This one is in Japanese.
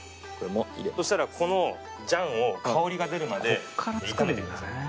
そしたらこの醤を香りが出るまで炒めてください。